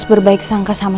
tepuk tangan saya